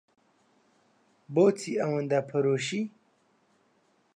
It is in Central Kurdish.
بۆچی ئەوەندە پەرۆشی؟